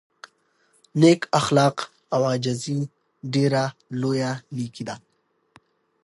نېک اخلاق او عاجزي ډېره لویه نېکي ده.